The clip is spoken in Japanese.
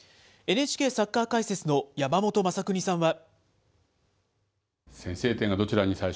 ＮＨＫサッカー解説の山本昌邦さんは。